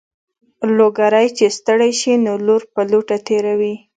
لوګری چې ستړی شي نو لور په لوټه تېروي.